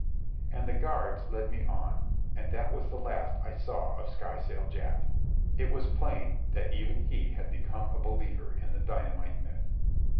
And the guards led me on, and that was the last I saw of Skysail Jack. It was plain that even he had become a believer in the dynamite myth.